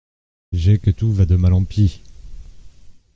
J’ai que tout va de mal en pis !…